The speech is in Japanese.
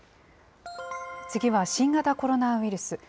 次は新型コロナウイルス。